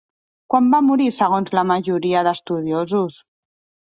Quan va morir segons la majoria d'estudiosos?